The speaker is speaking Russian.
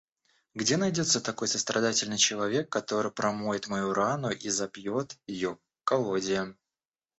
Где найдется такой сострадательный человек, который промоет мою рану и запьет ее коллодием!?